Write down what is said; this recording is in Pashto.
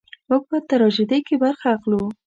موږ په تراژیدۍ کې برخه اخلو.